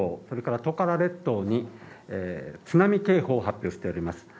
それからトカラ列島に津波警報を発表しております。